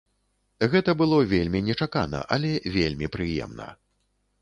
Гэта было вельмі нечакана, але вельмі прыемна.